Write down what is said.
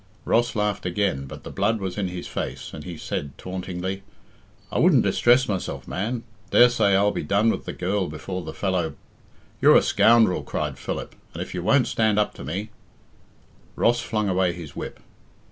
Ross laughed again, but the blood was in his face, and he said tauntingly, "I wouldn't distress myself, man. Daresay I'll be done with the girl before the fellow " "You're a scoundrel," cried Philip, "and if you won't stand up to me " Ross flung away his whip.